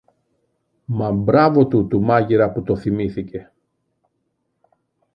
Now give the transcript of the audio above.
Μα μπράβο του του μάγειρα που το θυμήθηκε!